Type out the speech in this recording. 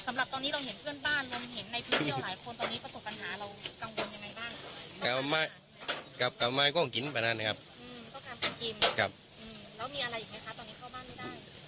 สำหรับตอนนี้เราเห็นเพื่อนบ้านเราเห็นในที่เที่ยวหลายคนตอนนี้ประสุนปัญหาเรากังวลยังไงบ้าง